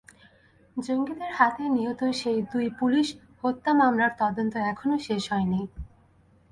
জঙ্গিদের হাতে নিহত সেই দুই পুলিশ হত্যা মামলার তদন্ত এখনো শেষ হয়নি।